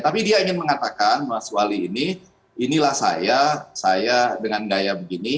tapi dia ingin mengatakan mas wali ini inilah saya saya dengan gaya begini